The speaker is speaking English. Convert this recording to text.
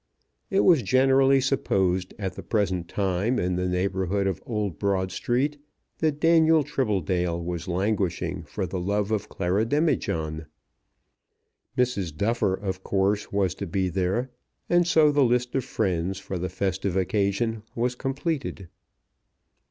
It was generally supposed at the present time in the neighbourhood of Old Broad Street that Daniel Tribbledale was languishing for the love of Clara Demijohn. Mrs. Duffer, of course, was to be there, and so the list of friends for the festive occasion was completed.